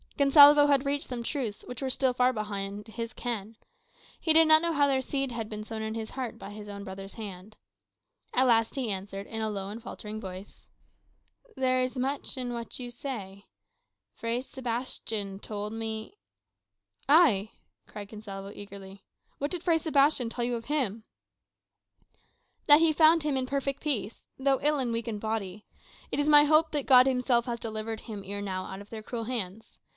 Gonsalvo had reached some truths which were still far beyond his ken. He did not know how their seed had been sown in his heart by his own brother's hand. At length he answered, in a low and faltering voice, "There is much in what you say. Fray Sebastian told me " "Ay," cried Gonsalvo eagerly, "what did Fray Sebastian tell you of him?" "That he found him in perfect peace, though ill and weak in body. It is my hope that God himself has delivered him ere now out of their cruel hands.